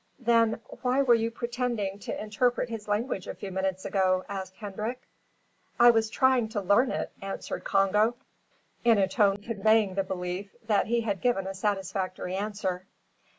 "Then why were you pretending to interpret his language a few minutes ago?" asked Hendrik. "I was trying to learn it," answered Congo, in a tone conveying the belief that he had given a satisfactory answer.